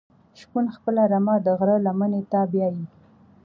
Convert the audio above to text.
شپون خپله رمه د غره لمنی ته بیایی.